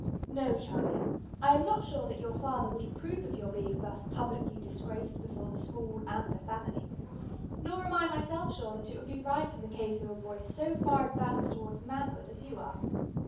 "No, Charlie; I am not sure that your father would approve of your being thus publicly disgraced before the school and the family, nor am I myself sure that it would be right in the case of a boy so far advanced towards manhood as you are.